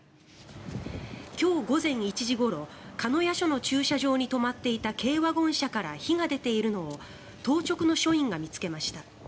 今日午前１時ごろ鹿屋署の駐車場に止まっていた軽ワゴン車から火が出ているのを当直の署員が見つけました。